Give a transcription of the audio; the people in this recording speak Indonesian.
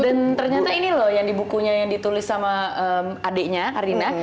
dan ternyata ini loh yang di bukunya yang ditulis sama adeknya karina